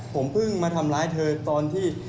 ผมเพิ่งมาทำร้ายเธอตอนที่